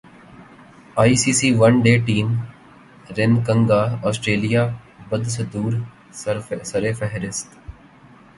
I C C one day team ranking Australia بدستورسرفہرست